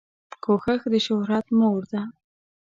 کوښښ دشهرت مور ده